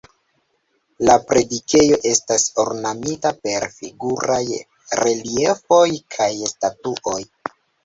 La predikejo estas ornamita per figuraj reliefoj kaj statuoj.